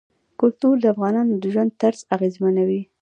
کلتور د افغانانو د ژوند طرز اغېزمنوي.